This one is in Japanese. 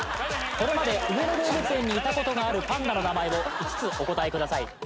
これまで上野動物園にいたことがあるパンダの名前を５つお答えください